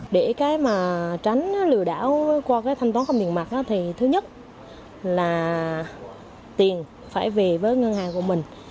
để tránh lừa đảo qua thanh toán không tiền mặt thứ nhất là tiền phải về với ngân hàng của mình